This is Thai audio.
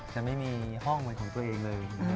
จะไม่มีห้องเหมือนของตัวเองเลย